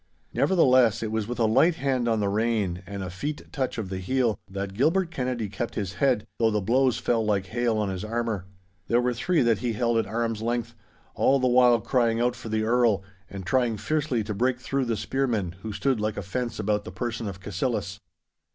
Nevertheless, it was with a light hand on the rein and a feat touch of the heel, that Gilbert Kennedy kept his head, though the blows fell like hail on his armour. There were three that he held at arm's length—all the while crying out for the Earl, and trying fiercely to break through the spearmen, who stood like a fence about the person of Cassillis.